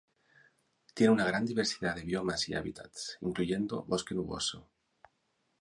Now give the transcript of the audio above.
Tiene una gran diversidad de biomas y hábitats, incluyendo bosque nuboso.